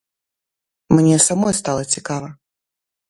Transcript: Мне самой стала цікава.